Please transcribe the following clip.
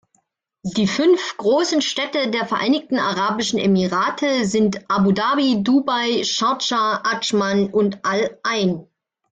Die fünf großen Städte der Vereinigten Arabischen Emirate sind Abu Dhabi, Dubai, Schardscha, Adschman und Al-Ain.